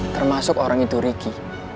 termasuk orang itu ricky